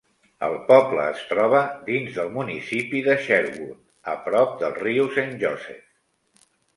El poble es troba dins del municipi de Sherwood, a prop del riu Saint Joseph.